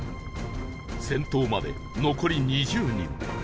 先頭まで残り２０人